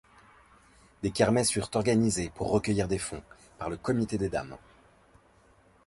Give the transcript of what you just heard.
Des kermesses furent organisées pour recueillir des fonds, par le comité des Dames.